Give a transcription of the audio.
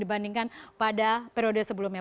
dibandingkan pada periode sebelumnya